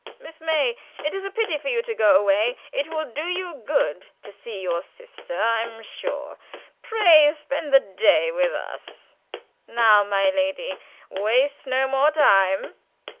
"Miss May, it is a pity for you to go away. It will do you good to see your sister, I am sure. Pray spend the day with us. Now, my lady, waste no more time."